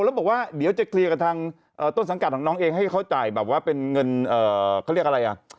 แล้วบอกว่าเดี๋ยวจะเคลียร์กับทางต้นสังกัดของน้องเองให้เขาจ่ายแบบว่าเป็นเงินเขาเรียกอะไรอ่ะ